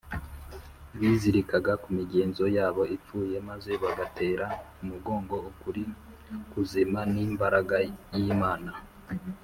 bizirikaga ku migenzo yabo ipfuye maze bagatera umugongo ukuri kuzima n’imbaraga y’imana